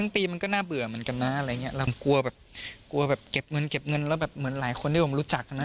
ผมกลัวแบบเก็บเงินแล้วแบบเหมือนหลายคนที่ผมรู้จักนะ